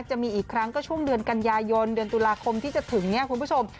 จะมีอีกครั้งก็ช่วงเดือนกันยายนเดือนตุลาคมที่จะถึงเนี่ยคุณผู้ชม